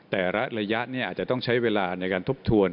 แต่ละระยะอาจจะต้องใช้เวลาในการทบทวน